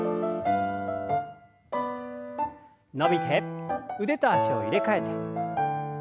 伸びて腕と脚を入れ替えて。